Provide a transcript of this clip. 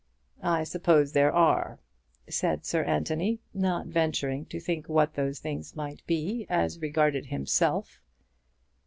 "I suppose there are," said Sir Anthony, not venturing to think what those things might be as regarded himself.